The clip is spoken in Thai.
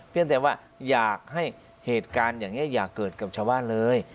เพียงแต่ว่าอยากให้เหตุการณ์อย่างนี้อยากเกิดกับชาวะเลย